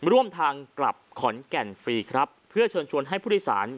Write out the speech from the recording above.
ร่วมทางกลับขอนแก่นฟรีครับเพื่อเชิญชวนให้ผู้โดยสาร